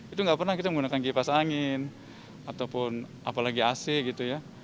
itu nggak pernah kita menggunakan kipas angin ataupun apalagi ac gitu ya